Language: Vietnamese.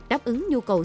đáp ứng nhu cầu